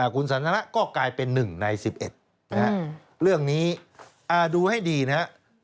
คุณสันทนะก็กลายเป็น๑ใน๑๑นะฮะเรื่องนี้ดูให้ดีนะครับ